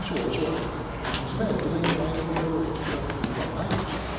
むしろ私は娘が意図的にマインドコントロールしたということはな